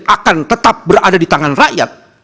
akan tetap berada di tangan rakyat